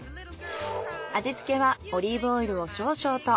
味付けはオリーブオイルを少々と。